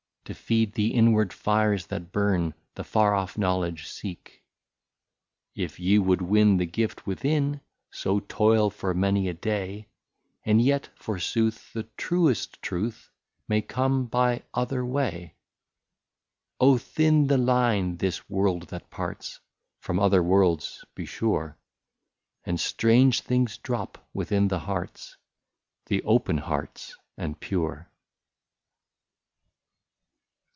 To feed the inward fires that burn, The far off knowledge seek/' * If ye would win the gift within, — So toil for many a day, — And yet, forsooth, the truest truth May come by other way. " Oh ! thin the line this world that parts From other worlds, be sure ; And strange things drop within the hearts, The open hearts and pure."